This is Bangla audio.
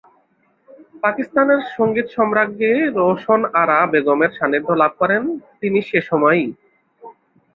পাকিস্তানের সঙ্গীত সম্রাজ্ঞী রোশন আরা বেগমের সান্নিধ্য লাভ করেন তিনি সে সময়ই।